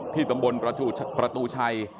ตำบลประตูชัย